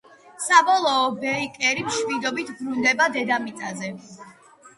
საბოლოოდ ბეიკერი მშვიდობით ბრუნდება დედამიწაზე.